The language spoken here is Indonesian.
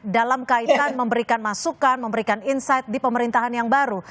dalam kaitan memberikan masukan memberikan insight di pemerintahan yang baru